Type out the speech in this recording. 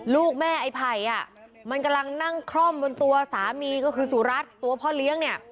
ลูกแม่ไอ้ไผ่มันกำลังนั่งคล่อมบนตัวสามีก็คือสุรัตน์ตัวพ่อเลี้ยงเนี่ย